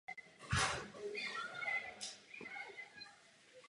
Po druhé světové válce byli Němci odsunuti.